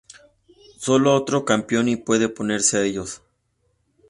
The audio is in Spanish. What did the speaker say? Sólo otro Campione puede oponerse a ellos.